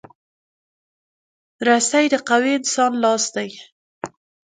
رسۍ د قوي انسان لاس دی.